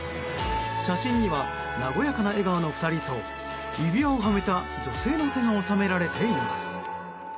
写真には和やかな笑顔の２人と指輪をはめた女性の手が収められています。